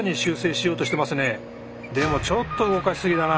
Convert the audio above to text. でもちょっと動かし過ぎだな。